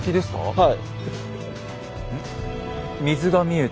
はい。